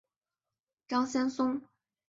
张先松。